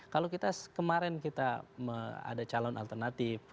kalau kita kemarin kita ada calon alternatif